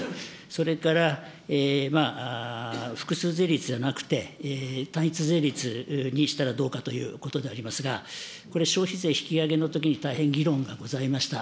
それから複数税率じゃなくて、単一税率にしたらどうかということでありますが、これ、消費税引き上げのときに大変議論がございました。